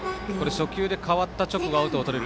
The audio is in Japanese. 初球で代わった直後にアウトをとれる。